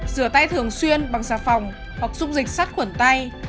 rửa tay thường xuyên bằng xà phòng hoặc dung dịch sát khuẩn tay